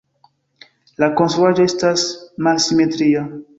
La konstruaĵo estas malsimetria.